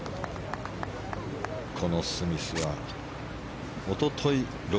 このスミスはおととい、６４。